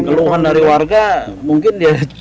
keluhan dari warga mungkin dia